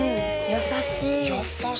優しい。